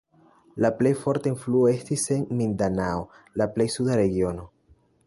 La plej forta influo estis en Mindanao, la plej suda regiono.